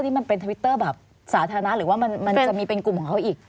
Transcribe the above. นี่มันเป็นทวิตเตอร์แบบสาธารณะหรือว่ามันจะมีเป็นกลุ่มของเขาอีก